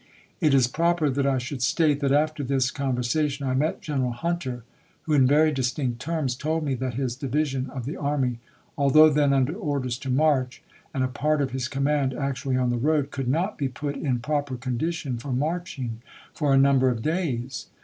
It is proper that I should state that after this conversa tion I met General Hunter, who, in very distinct terms, told me that his division of the army, although then under orders to march, and a part of his command actu ally on the road, could not be put in proper condition for marching for a number of days.